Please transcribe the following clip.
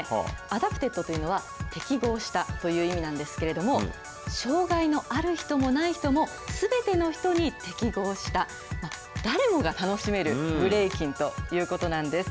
アダプテッドというのは、適合したという意味なんですけれども、障害のある人もない人も、すべての人に適合した、誰もが楽しめるブレイキンということなんです。